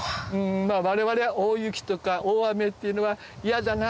我々大雪とか大雨っていうのは嫌だな